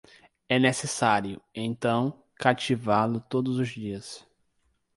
É necessário, então, cativá-lo todos os dias.